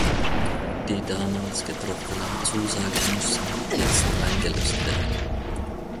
Die damals getroffenen Zusagen müssen jetzt eingelöst werden.